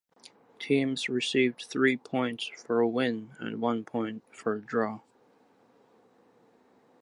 Teams received three points for a win and one point for a draw.